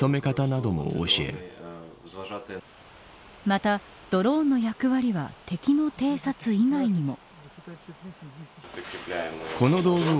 また、ドローンの役割は敵の偵察以外にも。